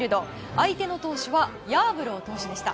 相手の投手はヤーブロー投手でした。